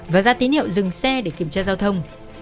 và ra tín hiệu dừng xe để kiểm tra giao thông